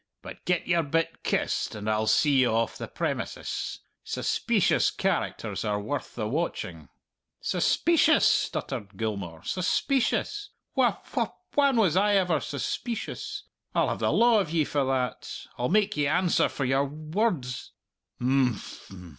But get your bit kist, and I'll see ye off the premises. Suspeecious characters are worth the watching." "Suspeecious!" stuttered Gilmour, "suspeecious! Wh wh whan was I ever suspeecious? I'll have the law of ye for that. I'll make ye answer for your wor rds." "Imphm!"